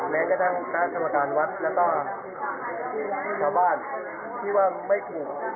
แม้กระทั่งคณะกรรมการวัดแล้วก็ชาวบ้านที่ว่าไม่ถูก